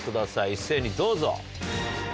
一斉にどうぞ。